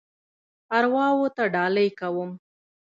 ارواوو ته ډالۍ کوم.